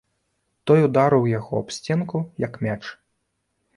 Той ударыў яго аб сценку, як мяч.